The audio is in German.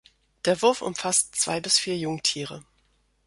Der Wurf umfasst zwei bis vier Jungtiere.